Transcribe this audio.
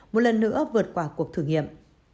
một lần nữa vượt qua cuộc thử nghiệm